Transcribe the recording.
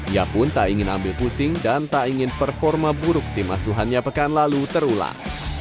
ia pun tak ingin ambil pusing dan tak ingin performa buruk tim asuhannya pekan lalu terulang